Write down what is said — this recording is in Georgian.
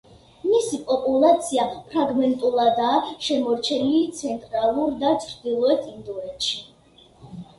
მისი პოპულაცია ფრაგმენტულადაა შემორჩენილი ცენტრალურ და ჩრდილოეთ ინდოეთში.